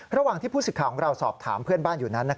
ระหว่างที่ผู้สิทธิ์ของเราสอบถามเพื่อนบ้านอยู่นั้น